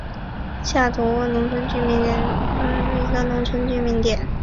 下图罗沃农村居民点是俄罗斯联邦沃罗涅日州下杰维茨克区所属的一个农村居民点。